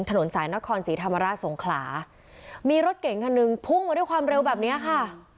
ถนนสายนครศรีธรรมราชสงขลามีรถเก่งคันหนึ่งพุ่งมาด้วยความเร็วแบบเนี้ยค่ะ